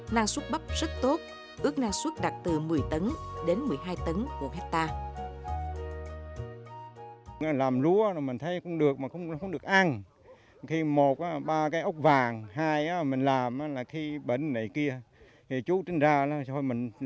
năng suất bắp rất tốt ước năng suất đặt từ một mươi tấn đến một mươi hai tấn một hectare